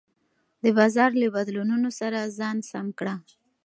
د بازار له بدلونونو سره ځان سم کړه.